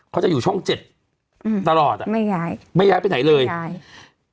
เขาจะอยู่ช่องเจ็ดอืมตลอดอ่ะไม่ย้ายไม่ย้ายไปไหนเลยใช่